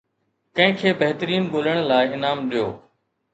ڪنهن کي بهترين ڳولڻ لاء انعام ڏيو